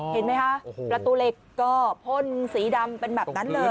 เห็นไหมคะประตูเหล็กก็พ่นสีดำเป็นแบบนั้นเลย